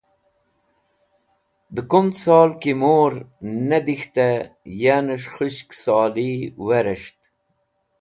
De kumd solki Mur ne dik̃htey; Yanes̃h Khushk Soli Weres̃ht